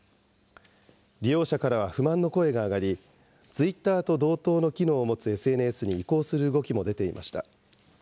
利用者からは不満の声が上がり、ツイッターと同等の機能を持つＳＮＳに移行する動きも出ていました。